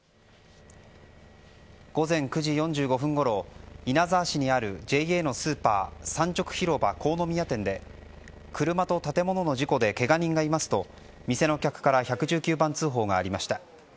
午前９時４５分ごろ稲沢市にあるＪＡのスーパー産直広場国府宮店で車と建物の事故でケガ人がいますと店の客から１１９番通報がありました。